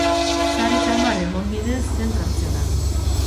Sarri samar egon bide zen kartzelan.